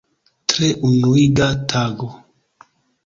Tre enuiga tago.